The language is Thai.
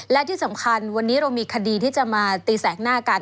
และที่สำคัญวันนี้เรามีคดีที่จะมาตีแสกหน้ากัน